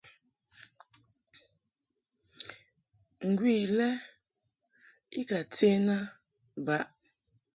Ngwi u lɛ i ka ten a baʼ.